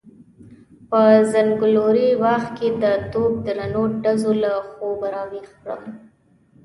په څنګلوري باغ کې د توپ درنو ډزو له خوبه راويښ کړم.